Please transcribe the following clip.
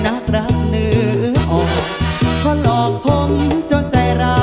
ว่าเธอมากมายแหละ